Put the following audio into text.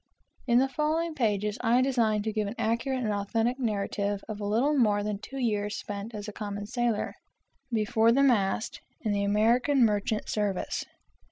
In the following pages I design to give an accurate and authentic narrative of a little more than two years spent as a common sailor, before the mast, in the American merchant service.